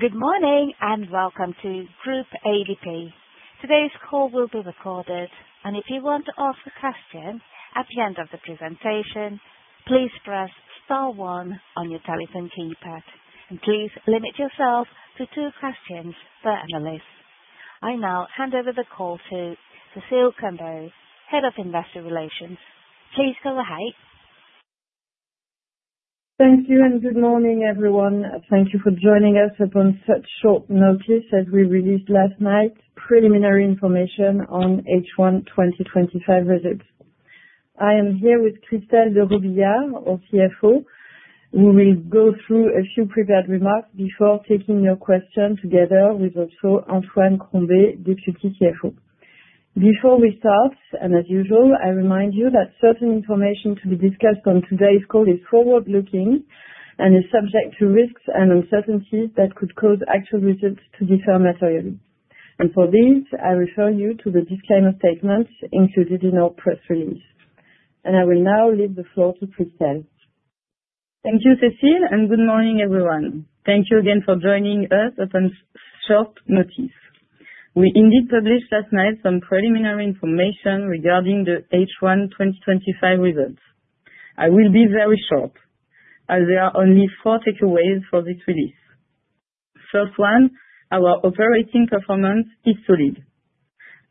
Good morning and welcome to Groupe ADP. Today's call will be recorded, and if you want to ask a question at the end of the presentation, please press star one on your telephone keypad. Please limit yourself to two questions per analyst. I now hand over the call to Cécile Combeau, Head of Investor Relations. Please go ahead. Thank you and good morning, everyone. Thank you for joining us upon such short notice as we released last night preliminary information on H1 2025 visits. I am here with Christelle de Robillard, our CFO. We will go through a few prepared remarks before taking your question together with also Antoine Combeau, Deputy CFO. Before we start, and as usual, I remind you that certain information to be discussed on today's call is forward-looking and is subject to risks and uncertainties that could cause actual results to differ materially. For this, I refer you to the disclaimer statements included in our press release. I will now leave the floor to Christelle. Thank you, Cécile, and good morning, everyone. Thank you again for joining us upon short notice. We indeed published last night some preliminary information regarding the H1 2025 results. I will be very short, as there are only four takeaways for this release. First one, our operating performance is solid.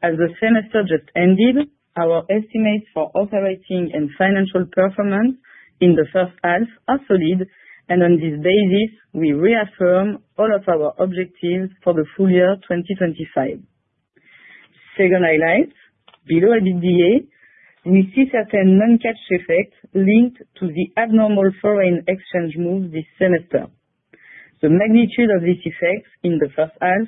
As the semester just ended, our estimates for operating and financial performance in the first half are solid, and on this basis, we reaffirm all of our objectives for the full year 2025. Second highlight, below a big EBITDA, we see certain non-cash effects linked to the abnormal foreign exchange moves this semester. The magnitude of these effects in the first half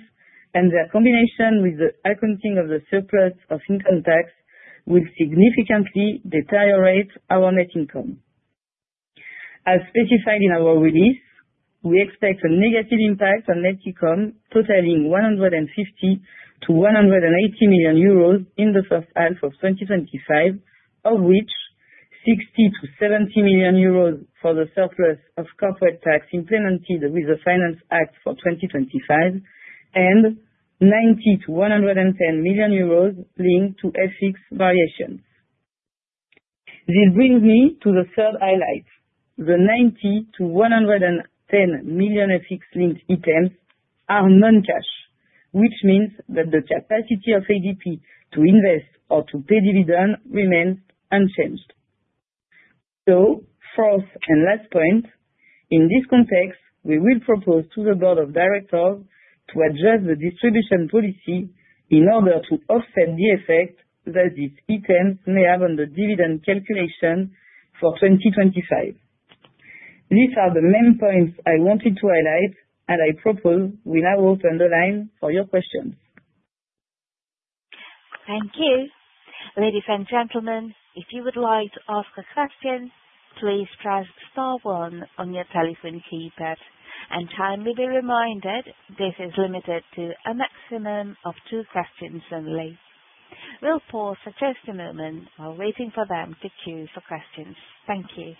and their combination with the accounting of the surplus of income tax will significantly deteriorate our net income. As specified in our release, we expect a negative impact on net income totaling 150 million-180 million euros in the first half of 2025, of which 60 million-70 million euros for the surplus of corporate tax implemented with the Finance Act of 2025, and 90 million-110 million euros linked to FX variations. This brings me to the third highlight. The 90 million-110 million FX-linked items are non-cash, which means that the capacity of ADP to invest or to pay dividend remains unchanged. Fourth and last point, in this context, we will propose to the Board of Directors to adjust the distribution policy in order to offset the effect that these items may have on the dividend calculation for 2025. These are the main points I wanted to highlight, and I propose we now open the line for your questions. Thank you. Ladies and gentlemen, if you would like to ask a question, please press star one on your telephone keypad. Kindly be reminded, this is limited to a maximum of two questions only. We will pause for just a moment while waiting for them to queue for questions. Thank you.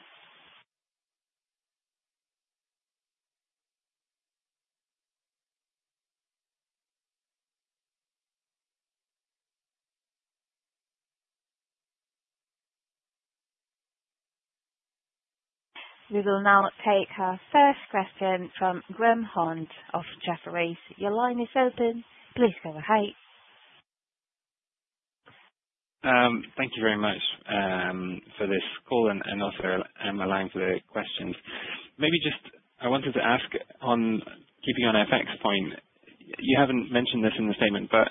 We will now take our first question from Graham Hunt of Jefferies. Your line is open. Please go ahead. Thank you very much for this call and also allowing for the questions. Maybe just I wanted to ask on keeping on FX point, you have not mentioned this in the statement, but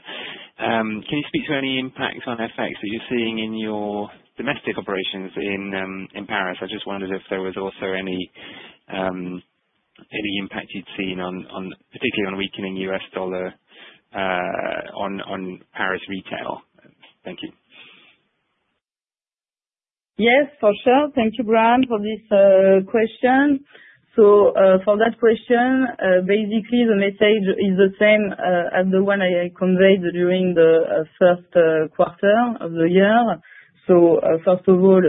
can you speak to any impacts on FX that you are seeing in your domestic operations in Paris? I just wondered if there was also any impact you had seen particularly on weakening US dollar on Paris retail. Thank you. Yes, for sure. Thank you, Graham, for this question. For that question, basically, the message is the same as the one I conveyed during the first quarter of the year. First of all,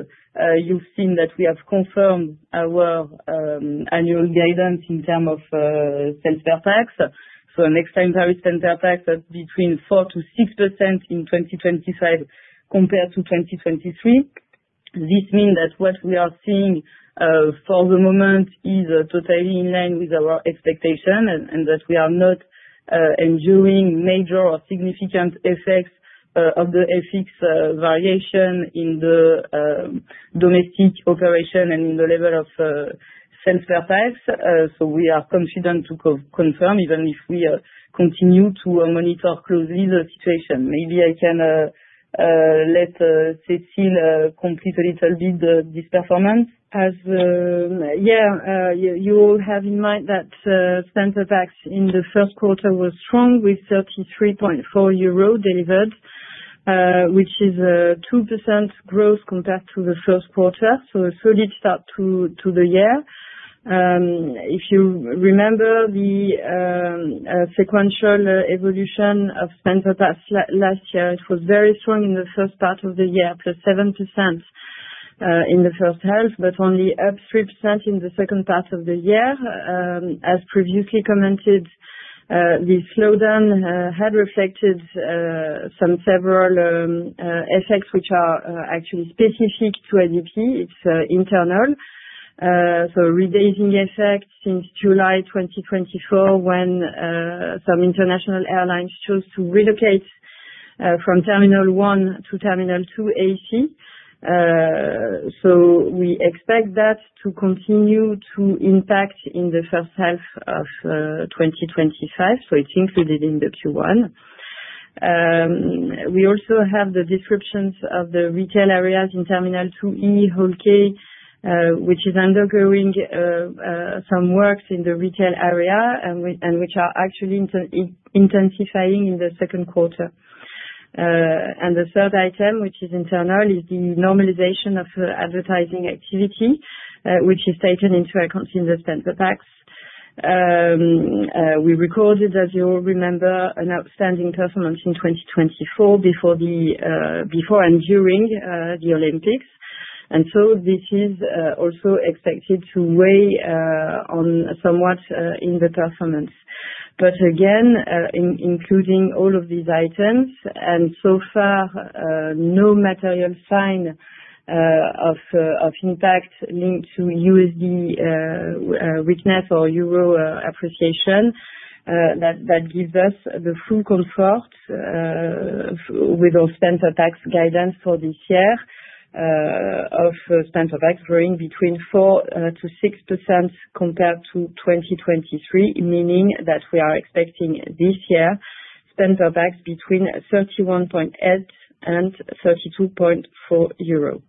you've seen that we have confirmed our annual guidance in terms of sur-tax. Next time, Paris sur-tax is between 4-6% in 2025 compared to 2023. This means that what we are seeing for the moment is totally in line with our expectation and that we are not enduring major or significant effects of the FX variation in the domestic operation and in the level of sur-tax. We are confident to confirm, even if we continue to monitor closely the situation. Maybe I can let Cécile complete a little bit this performance. As yeah, you all have in mind that sur-tax in the first quarter was strong with 33.4 euro delivered, which is a 2% growth compared to the first quarter. A solid start to the year. If you remember the sequential evolution of surtax last year, it was very strong in the first part of the year, plus 7% in the first half, but only up 3% in the second part of the year. As previously commented, the slowdown had reflected some several effects which are actually specific to ADP. It's internal. Re-basing effect since July 2024 when some international airlines chose to relocate from terminal one to terminal two AC. We expect that to continue to impact in the first half of 2025. It's included in the Q1. We also have the descriptions of the retail areas in terminal 2E, hall K, which is undergoing some works in the retail area and which are actually intensifying in the second quarter. The third item, which is internal, is the normalization of advertising activity, which is taken into account in the sur-tax. We recorded, as you all remember, an outstanding performance in 2024 before and during the Olympics. This is also expected to weigh somewhat in the performance. Again, including all of these items, and so far, no material sign of impact linked to USD weakness or euro appreciation, that gives us the full comfort with our sur-tax guidance for this year of sur-tax growing between 4%-6% compared to 2023, meaning that we are expecting this year sur-tax between 31.8 and 32.4 euro.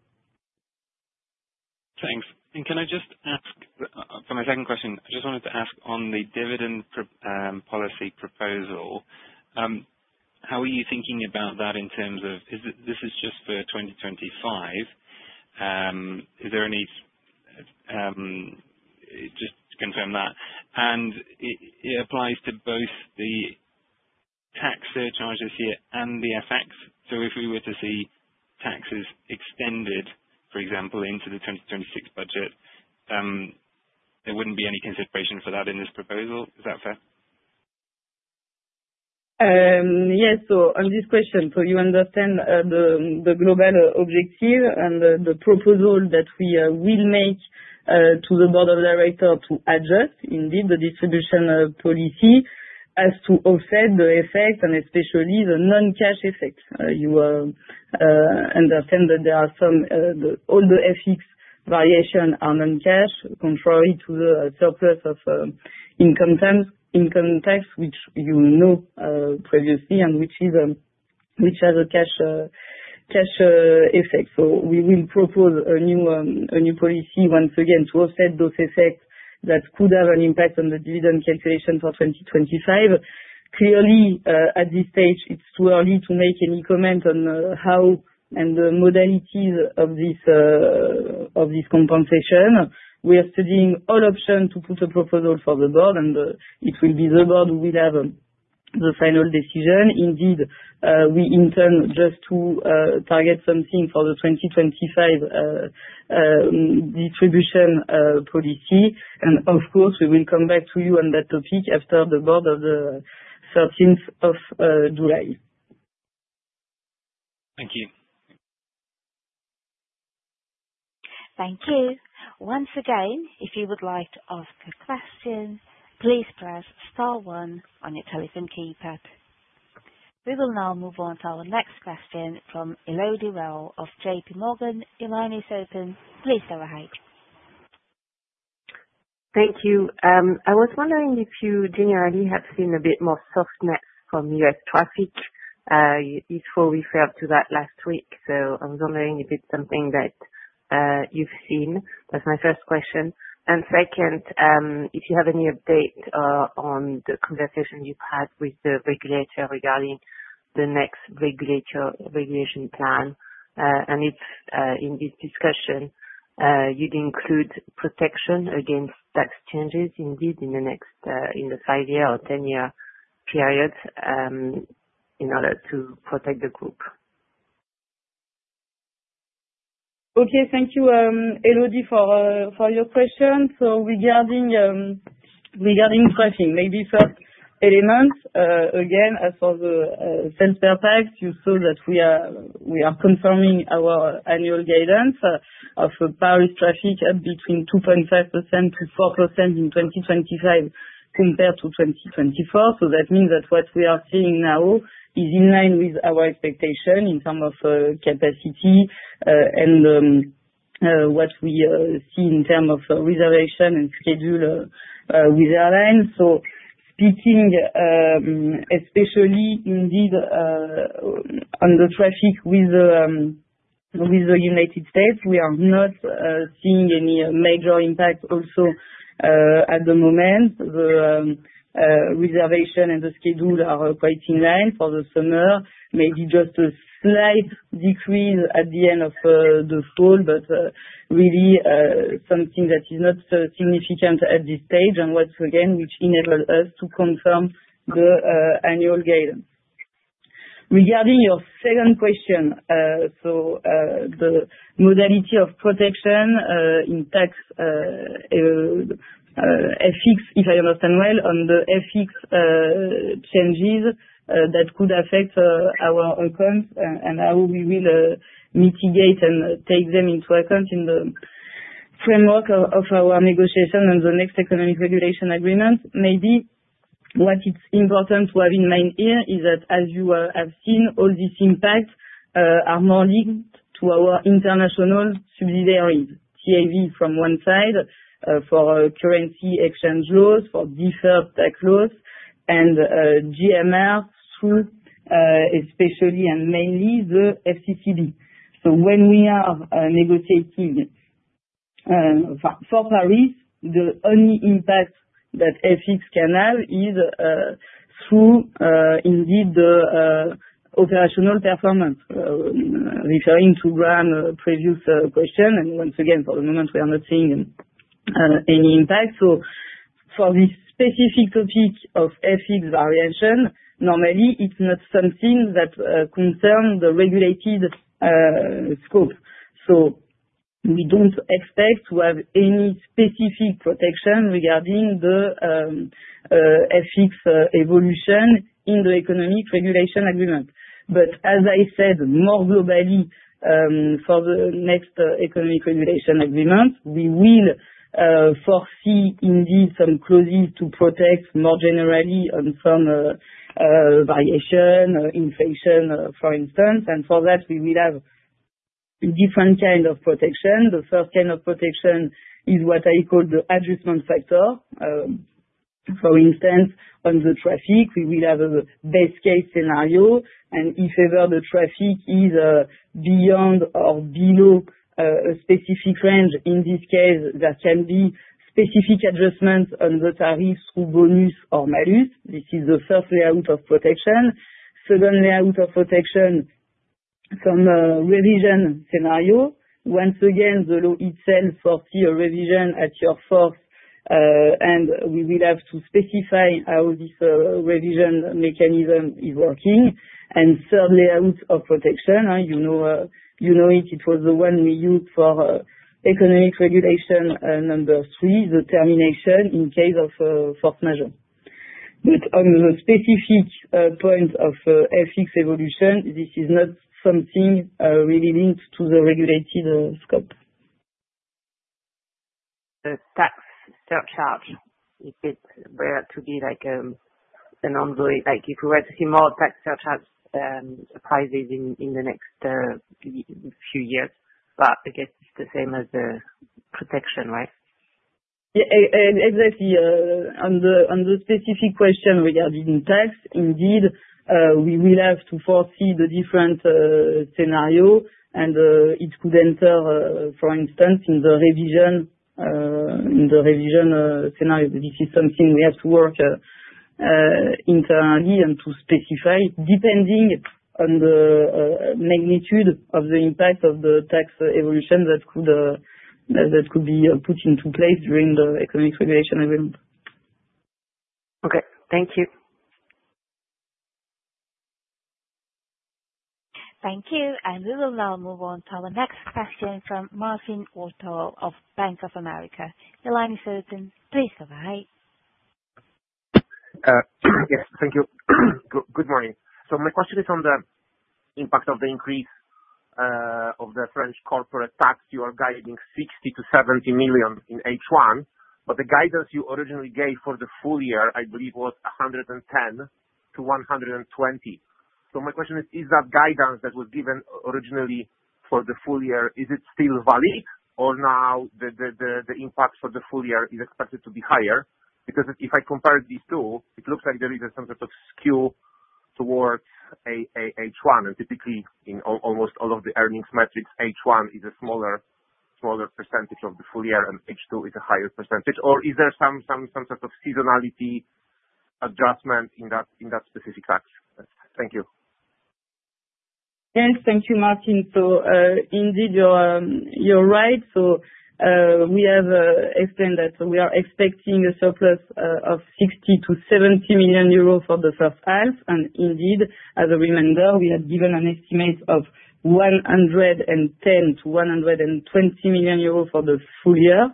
Thanks. Can I just ask for my second question? I just wanted to ask on the dividend policy proposal, how are you thinking about that in terms of this is just for 2025? Is there any, just to confirm that. It applies to both the tax surcharges here and the FX. If we were to see taxes extended, for example, into the 2026 budget, there would not be any consideration for that in this proposal. Is that fair? Yes. On this question, you understand the global objective and the proposal that we will make to the Board of Directors to adjust indeed the distribution policy as to offset the effects and especially the non-cash effects. You understand that all the FX variations are non-cash, contrary to the surplus of income tax, which you know previously and which has a cash effect. We will propose a new policy once again to offset those effects that could have an impact on the dividend calculation for 2025. Clearly, at this stage, it's too early to make any comment on how and the modalities of this compensation. We are studying all options to put a proposal for the board, and it will be the board who will have the final decision. Indeed, we intend just to target something for the 2025 distribution policy. Of course, we will come back to you on that topic after the board of the 13th of July. Thank you. Thank you. Once again, if you would like to ask a question, please press star one on your telephone keypad. We will now move on to our next question from Eloy De Wylde of JP Morgan. Your line is open. Please go ahead. Thank you. I was wondering if you generally have seen a bit more softness from U.S. traffic. You referred to that last week. I was wondering if it's something that you've seen. That's my first question. Second, if you have any update on the conversation you've had with the regulator regarding the next regulation plan and if in this discussion you'd include protection against tax changes indeed in the next five-year or ten-year period in order to protect the group. Okay. Thank you, Eloy, for your question. Regarding pricing, maybe first element, again, as for the surtax, you saw that we are confirming our annual guidance of Paris traffic up between 2.5%-4% in 2025 compared to 2024. That means that what we are seeing now is in line with our expectation in terms of capacity and what we see in terms of reservation and schedule with airlines. Speaking especially indeed on the traffic with the United States, we are not seeing any major impact also at the moment. The reservation and the schedule are quite in line for the summer. Maybe just a slight decrease at the end of the fall, but really something that is not significant at this stage and again, which enabled us to confirm the annual guidance. Regarding your second question, the modality of protection in tax FX, if I understand well, on the FX changes that could affect our outcomes and how we will mitigate and take them into account in the framework of our negotiation and the next economic regulation agreement. Maybe what is important to have in mind here is that, as you have seen, all these impacts are more linked to our international subsidiaries, TAV from one side, for currency exchange laws, for deferred tax laws, and GMR through, especially and mainly, the FCCB. When we are negotiating for Paris, the only impact that FX can have is through indeed the operational performance, referring to Graham's previous question. Once again, for the moment, we are not seeing any impact. For this specific topic of FX variation, normally, it is not something that concerns the regulated scope. We don't expect to have any specific protection regarding the FX evolution in the economic regulation agreement. As I said, more globally, for the next economic regulation agreement, we will foresee indeed some clauses to protect more generally on some variation, inflation, for instance. For that, we will have different kinds of protection. The first kind of protection is what I call the adjustment factor. For instance, on the traffic, we will have a best-case scenario. If ever the traffic is beyond or below a specific range, in this case, there can be specific adjustments on the tariffs through bonus or malus. This is the first layout of protection. The second layout of protection is some revision scenario. Once again, the law itself foresees a revision at year four, and we will have to specify how this revision mechanism is working. Third layout of protection, you know it. It was the one we used for economic regulation number three, the termination in case of force majeure. On the specific point of FX evolution, this is not something really linked to the regulated scope. The tax surcharge, it's rare to be like an envelope. If we were to see more tax surcharge prices in the next few years, but I guess it's the same as the protection, right? Yeah. Exactly. On the specific question regarding tax, indeed, we will have to foresee the different scenario, and it could enter, for instance, in the revision scenario. This is something we have to work internally and to specify, depending on the magnitude of the impact of the tax evolution that could be put into place during the economic regulation agreement. Okay. Thank you. Thank you. We will now move on to our next question from Martin Orth of Bank of America. Your line is open, please go ahead. Yes. Thank you. Good morning. My question is on the impact of the increase of the French corporate tax. You are guiding 60 million-70 million in H1, but the guidance you originally gave for the full year, I believe, was 110 million-120 million. My question is, is that guidance that was given originally for the full year, is it still valid, or now the impact for the full year is expected to be higher? Because if I compare these two, it looks like there is some sort of skew towards H1, and typically, in almost all of the earnings metrics, H1 is a smaller percentage of the full year and H2 is a higher percentage. Is there some sort of seasonality adjustment in that specific tax? Thank you. Yes. Thank you, Martin. So indeed, you're right. We have explained that we are expecting a surplus of 60 million-70 million euros for the first half. And indeed, as a reminder, we had given an estimate of 110 million-120 million euros for the full year.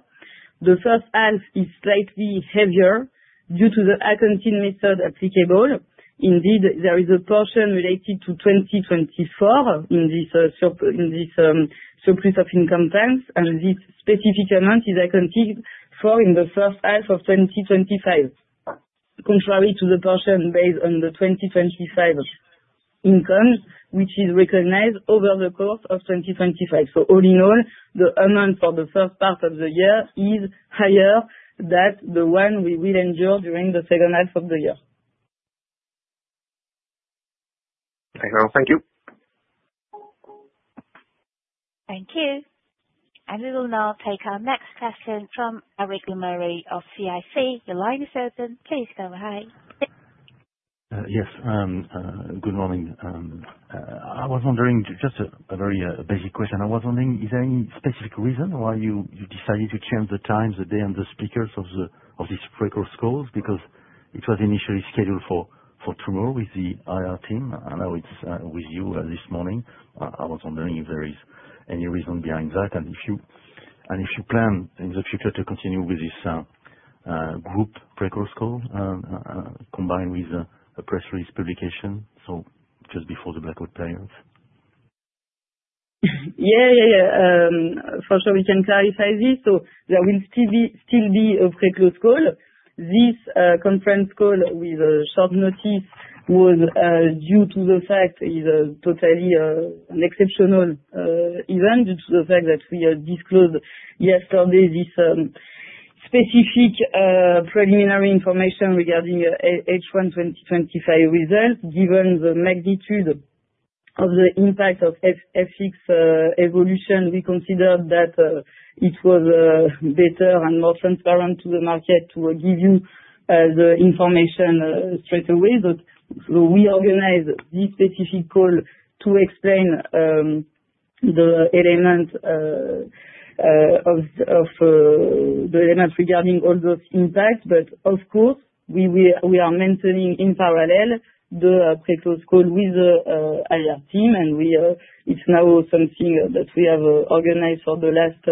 The first half is slightly heavier due to the accounting method applicable. Indeed, there is a portion related to 2024 in this surplus of income tax, and this specific amount is accounted for in the first half of 2025, contrary to the portion based on the 2025 income, which is recognized over the course of 2025. All in all, the amount for the first part of the year is higher than the one we will endure during the second half of the year. Thank you. Thank you. We will now take our next question from Eric Lemarié of CIC. Your line is open, please go ahead. Yes. Good morning. I was wondering, just a very basic question. I was wondering, is there any specific reason why you decided to change the times, the day and the speakers of these records calls? Because it was initially scheduled for tomorrow with the IR team, and now it's with you this morning. I was wondering if there is any reason behind that, and if you plan in the future to continue with this group records call combined with a press release publication, so just before the blackboard players? Yeah, yeah, yeah. For sure, we can clarify this. There will still be a pre-close call. This conference call with short notice was due to the fact it is totally an exceptional event due to the fact that we disclosed yesterday this specific preliminary information regarding H1 2025 results. Given the magnitude of the impact of FX evolution, we considered that it was better and more transparent to the market to give you the information straight away. We organized this specific call to explain the element of the elements regarding all those impacts. Of course, we are maintaining in parallel the pre-close call with the IR team, and it's now something that we have organized for the last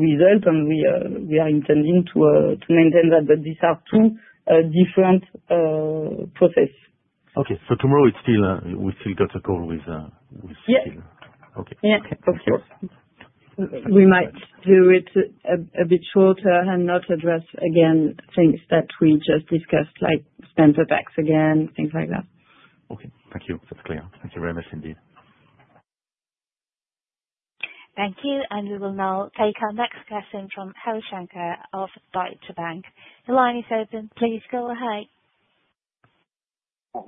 result, and we are intending to maintain that. These are two different processes. Okay. So tomorrow, we still got a call with Steven? Yeah. Okay. Yeah. Of course. We might do it a bit shorter and not address again things that we just discussed, like standard tax again, things like that. Okay. Thank you. That's clear. Thank you very much indeed. Thank you. We will now take our next question from Hari Shankar of Deutsche Bank. Your line is open, please go ahead.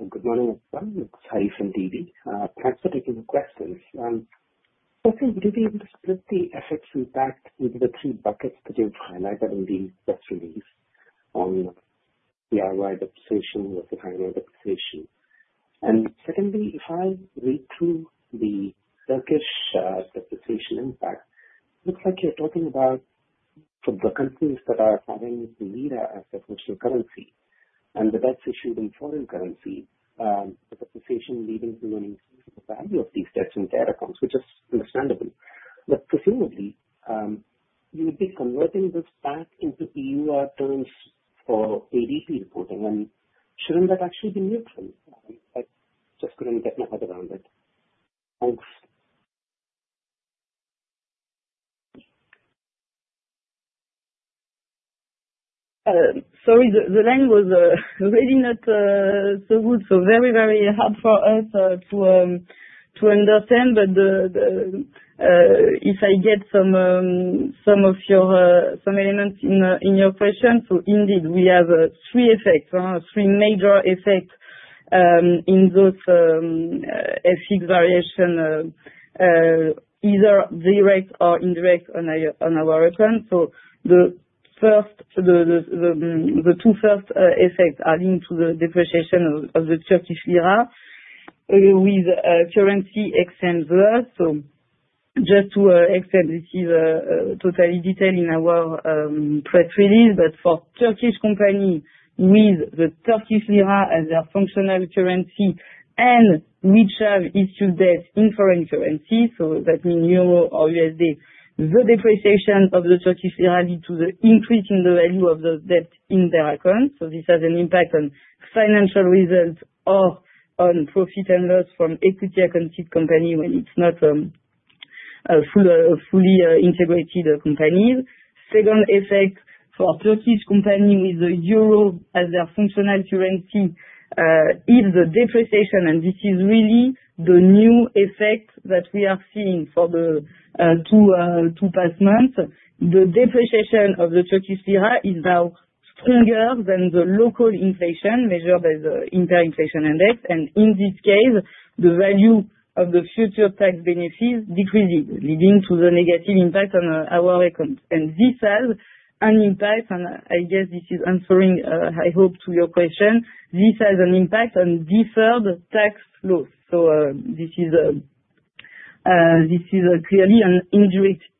Good morning. It's Hari from Deutsche Bank. Thanks for taking the question. Firstly, would you be able to split the FX impact into the three buckets that you've highlighted in the press release on DIY depreciation versus annual depreciation? Secondly, if I read through the Turkish depreciation impact, it looks like you're talking about for the countries that are having the lira as their national currency and the debts issued in foreign currency, the depreciation leading to an increase in the value of these debts and their accounts, which is understandable. Presumably, you would be converting this back into EUR terms for ADP reporting, and shouldn't that actually be neutral? I just couldn't get my head around it. Sorry, the line was really not so good, so very, very hard for us to understand. If I get some elements in your question, indeed, we have three effects, three major effects in those FX variations, either direct or indirect on our accounts. The two first effects are linked to the depreciation of the Turkish Lira with currency exchange laws. Just to extend, this is totally detailed in our press release. For Turkish companies with the Turkish Lira as their functional currency and which have issued debts in foreign currency, that means euro or USD, the depreciation of the Turkish Lira leads to the increase in the value of the debt in their accounts. This has an impact on financial results or on profit and loss from equity-accounted companies when it is not fully integrated companies. Second effect for Turkish companies with the euro as their functional currency is the depreciation, and this is really the new effect that we are seeing for the two past months. The depreciation of the Turkish lira is now stronger than the local inflation measured as the interinflation index. In this case, the value of the future tax benefits decreases, leading to the negative impact on our accounts. This has an impact, and I guess this is answering, I hope, to your question. This has an impact on deferred tax assets. This is clearly an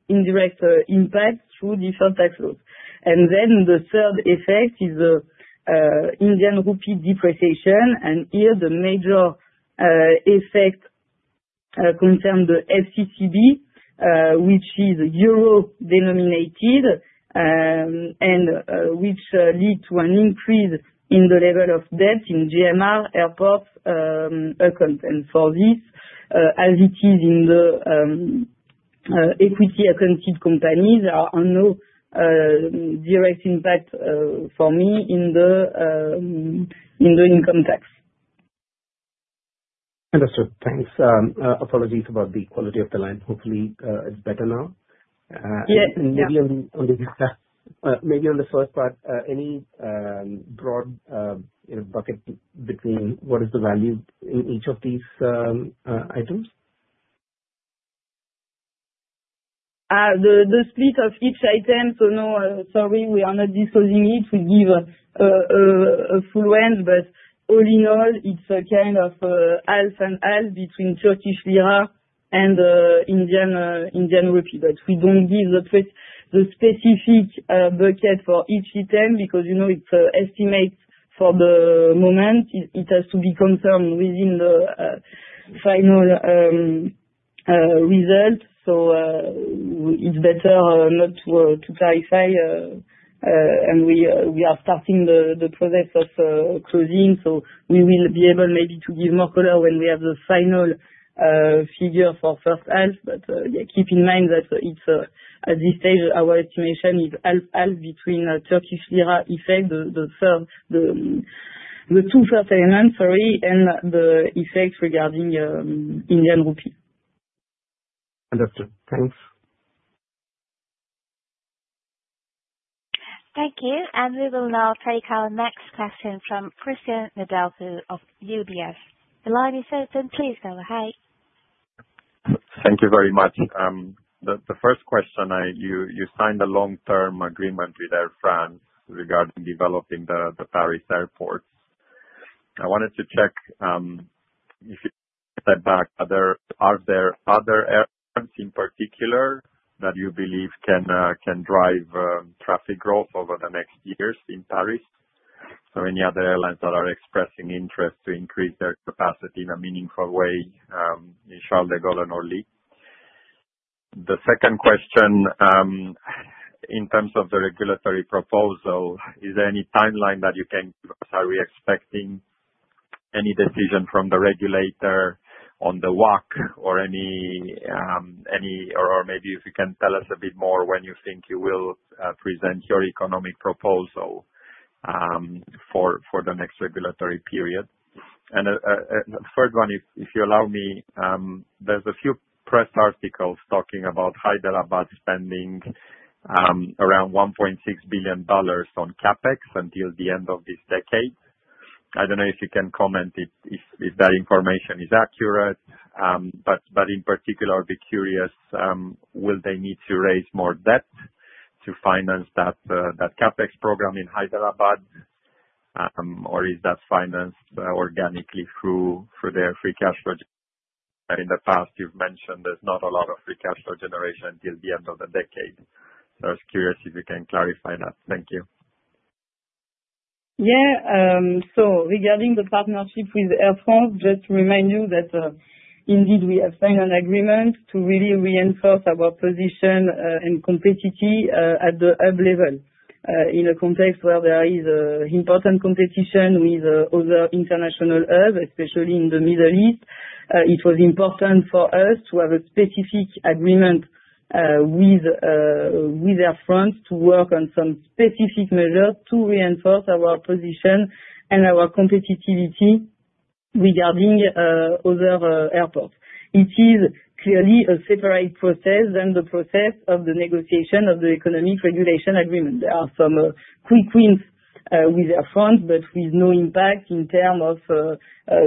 indirect impact through deferred tax assets. The third effect is the Indian rupee depreciation. Here, the major effect concerns the FCCB, which is euro-denominated and which leads to an increase in the level of debt in GMR Airports accounts. For this, as it is in the equity-accounted companies, there are no direct impacts for me in the income tax. Understood. Thanks. Apologies about the quality of the line. Hopefully, it's better now. Yes. Maybe on the first part, any broad bucket between what is the value in each of these items? The split of each item, so no, sorry, we are not disclosing it. We give a full range, but all in all, it's a kind of half and half between Turkish lira and Indian rupee. We don't give the specific bucket for each item because it's an estimate for the moment. It has to be confirmed within the final result. It is better not to clarify. We are starting the process of closing, so we will be able maybe to give more color when we have the final figure for first half. Keep in mind that at this stage, our estimation is half-half between Turkish lira effect, the two first elements, sorry, and the effects regarding Indian rupee. Understood. Thanks. Thank you. We will now take our next question from Christian Nedelcu of UBS. Your line is open, please go ahead. Thank you very much. The first question, you signed a long-term agreement with Air France regarding developing the Paris Airports. I wanted to check if you step back, are there other airlines in particular that you believe can drive traffic growth over the next years in Paris? So any other airlines that are expressing interest to increase their capacity in a meaningful way in Charles de Gaulle and Orly? The second question, in terms of the regulatory proposal, is there any timeline that you can say we're expecting any decision from the regulator on the WACC or maybe if you can tell us a bit more when you think you will present your economic proposal for the next regulatory period? And the third one, if you allow me, there's a few press articles talking about Hyderabad spending around 1.6 billion dollars on CapEx until the end of this decade. I don't know if you can comment if that information is accurate, but in particular, I'd be curious, will they need to raise more debt to finance that CapEx program in Hyderabad, or is that financed organically through their free cash flow? In the past, you've mentioned there's not a lot of free cash flow generation until the end of the decade. I was curious if you can clarify that. Thank you. Yeah. Regarding the partnership with Air France, just to remind you that indeed we have signed an agreement to really reinforce our position and competitive at the hub level in a context where there is important competition with other international hubs, especially in the Middle East. It was important for us to have a specific agreement with Air France to work on some specific measures to reinforce our position and our competitivity regarding other airports. It is clearly a separate process than the process of the negotiation of the economic regulation agreement. There are some quick wins with Air France, but with no impact in terms of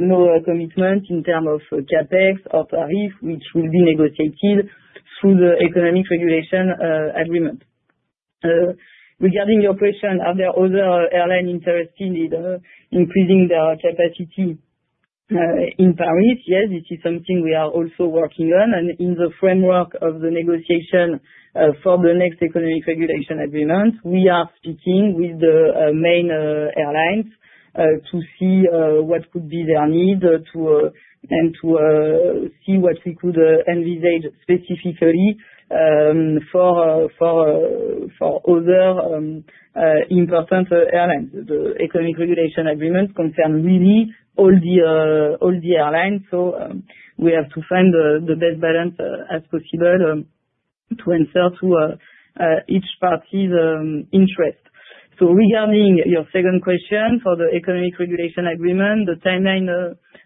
no commitment in terms of CapEx or tariff, which will be negotiated through the economic regulation agreement. Regarding your question, are there other airlines interested in increasing their capacity in Paris? Yes, this is something we are also working on. In the framework of the negotiation for the next economic regulation agreement, we are speaking with the main airlines to see what could be their need and to see what we could envisage specifically for other important airlines. The economic regulation agreement concerns really all the airlines, so we have to find the best balance as possible to answer to each party's interest. Regarding your second question for the economic regulation agreement, the timeline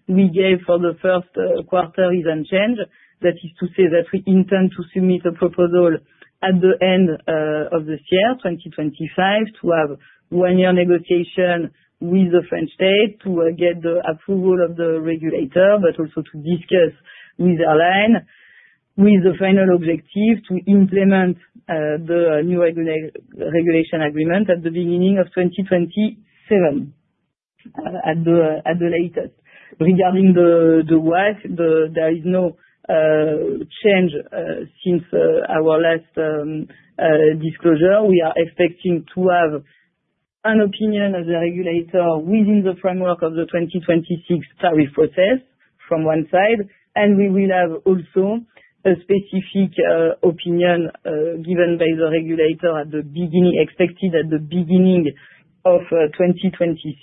we gave for the first quarter is unchanged. That is to say that we intend to submit a proposal at the end of this year, 2025, to have one-year negotiation with the French state to get the approval of the regulator, but also to discuss with airlines with the final objective to implement the new regulation agreement at the beginning of 2027 at the latest. Regarding the WACC, there is no change since our last disclosure. We are expecting to have an opinion of the regulator within the framework of the 2026 tariff process from one side, and we will have also a specific opinion given by the regulator expected at the beginning of 2026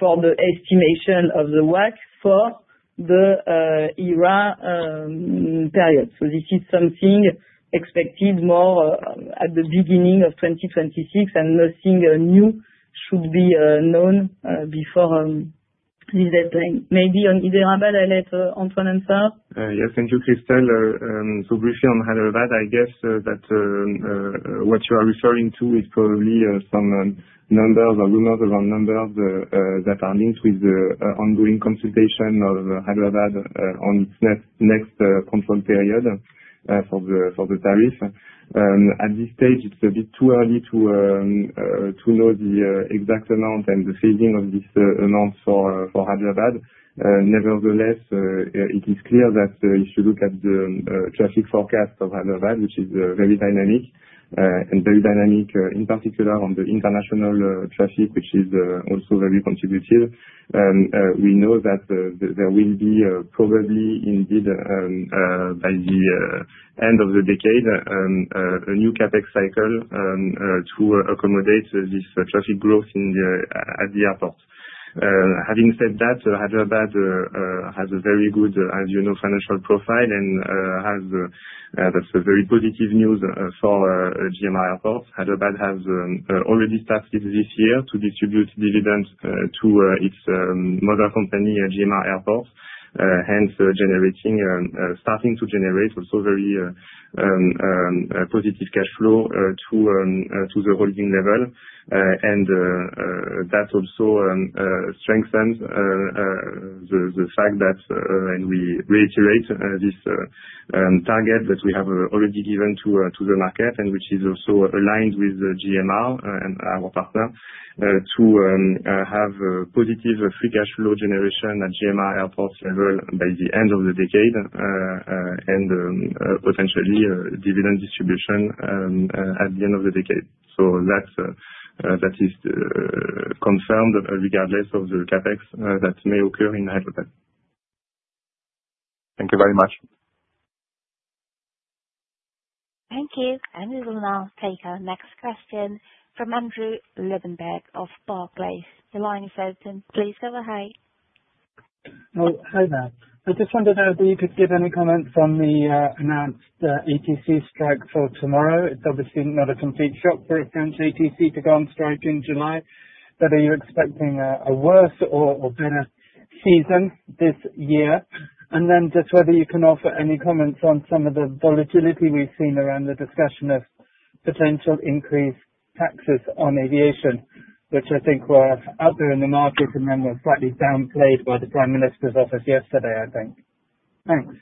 for the estimation of the WACC for the EUR period. This is something expected more at the beginning of 2026, and nothing new should be known before this deadline. Maybe on Hyderabad, I'll let Antoine answer. Yes, thank you, Christelle. Briefly on Hyderabad, I guess that what you are referring to is probably some numbers or rumors around numbers that are linked with the ongoing consultation of Hyderabad on its next control period for the tariff. At this stage, it's a bit too early to know the exact amount and the phasing of this amount for Hyderabad. Nevertheless, it is clear that if you look at the traffic forecast of Hyderabad, which is very dynamic and very dynamic in particular on the international traffic, which is also very contributive, we know that there will be probably indeed by the end of the decade a new CapEx cycle to accommodate this traffic growth at the airport. Having said that, Hyderabad has a very good, as you know, financial profile and that's a very positive news for GMR Airports. Hyderabad has already started this year to distribute dividends to its mother company, GMR Airports, hence starting to generate also very positive cash flow to the holding level. That also strengthens the fact that, and we reiterate this target that we have already given to the market and which is also aligned with GMR and our partner to have positive free cash flow generation at GMR Airports level by the end of the decade and potentially dividend distribution at the end of the decade. That is confirmed regardless of the CapEx that may occur in Hyderabad. Thank you very much. Thank you. We will now take our next question from Andrew Lobbenberg of Barclays. Your line is open, please go ahead. Hi, there. I just wondered whether you could give any comments on the announced ATC strike for tomorrow. It's obviously not a complete shock for a French ATC to go on strike in July. Are you expecting a worse or better season this year? Just whether you can offer any comments on some of the volatility we've seen around the discussion of potential increased taxes on aviation, which I think were out there in the market and then were slightly downplayed by the Prime Minister's Office yesterday, I think. Thanks.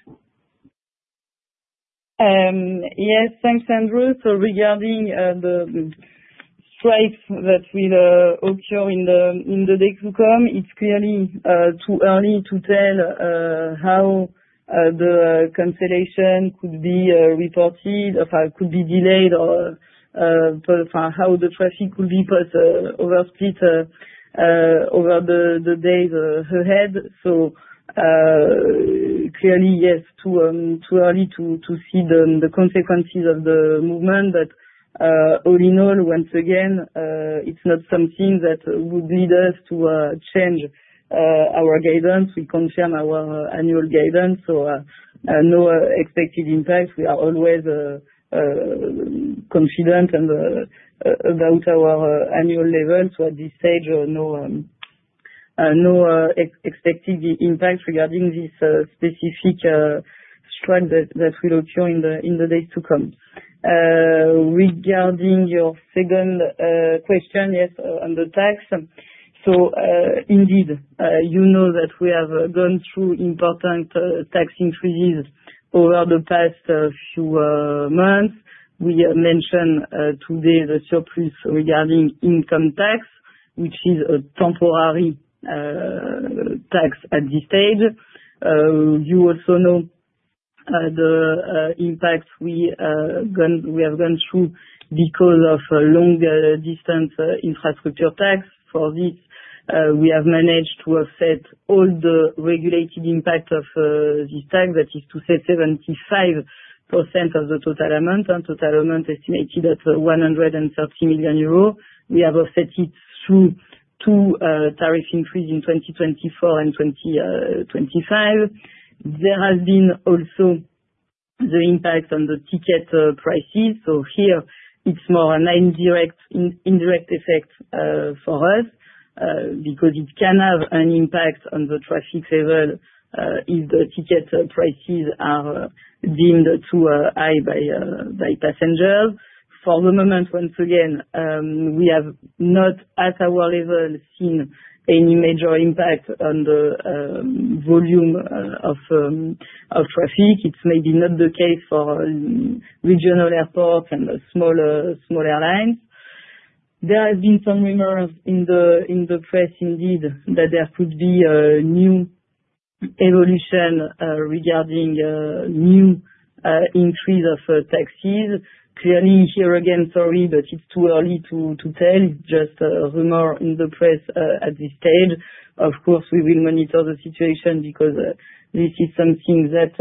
Yes, thanks, Andrew. Regarding the strikes that will occur in the days to come, it's clearly too early to tell how the cancellation could be reported or how it could be delayed or how the traffic could be oversplit over the days ahead. Clearly, yes, too early to see the consequences of the movement. All in all, once again, it's not something that would lead us to change our guidance. We confirm our annual guidance, so no expected impacts. We are always confident about our annual levels. At this stage, no expected impacts regarding this specific strike that will occur in the days to come. Regarding your second question, yes, on the tax. Indeed, you know that we have gone through important tax increases over the past few months. We mentioned today the surplus regarding income tax, which is a temporary tax at this stage. You also know the impacts we have gone through because of the long-distance infrastructure tax. For this, we have managed to offset all the regulated impact of this tax. That is to say 75% of the total amount, total amount estimated at 130 million euros. We have offset it through two tariff increases in 2024 and 2025. There has been also the impact on the ticket prices. Here, it is more an indirect effect for us because it can have an impact on the traffic level if the ticket prices are deemed too high by passengers. For the moment, once again, we have not, at our level, seen any major impact on the volume of traffic. It is maybe not the case for regional airports and smaller airlines. There have been some rumors in the press indeed that there could be a new evolution regarding a new increase of taxes. Clearly, here again, sorry, but it's too early to tell. It's just a rumor in the press at this stage. Of course, we will monitor the situation because this is something that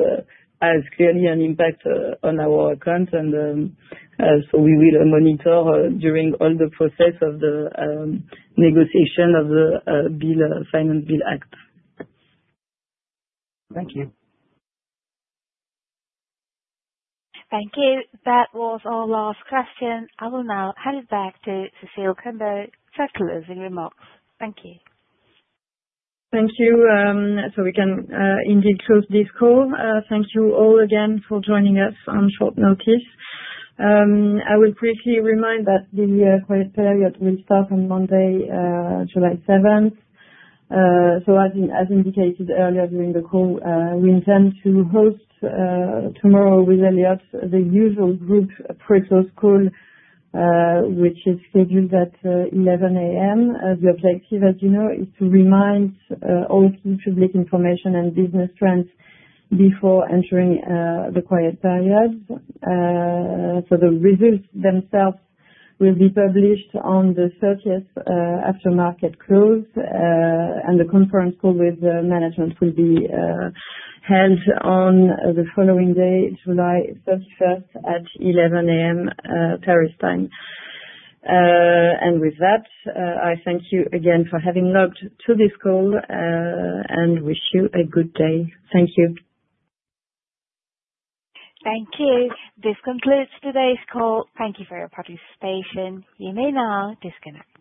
has clearly an impact on our account. We will monitor during all the process of the negotiation of the Finance Act. Thank you. Thank you. That was our last question. I will now hand it back to Cécile Combeau for closing remarks. Thank you. Thank you. So we can indeed close this call. Thank you all again for joining us on short notice. I will briefly remind that the pilot period will start on Monday, July 7. As indicated earlier during the call, we intend to host tomorrow with Elliott the usual groups of pre-clause call, which is scheduled at 11:00 A.M. The objective, as you know, is to remind all key public information and business strengths before entering the quiet period. The results themselves will be published on the 30th after market close, and the conference call with management will be held on the following day, July 31 at 11:00 A.M. Paris time. With that, I thank you again for having logged to this call and wish you a good day. Thank you. Thank you. This concludes today's call. Thank you for your participation. You may now disconnect.